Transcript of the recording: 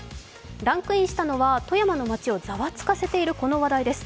ランクインしたのは富山の街をざわつかせているこの話題です。